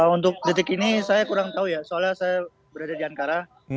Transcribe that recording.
untuk detik ini saya kurang tahu ya soalnya saya berada di ankara